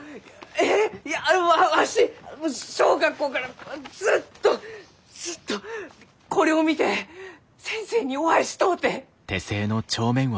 いやわし小学校からずっとずっとこれを見て先生にお会いしとうて！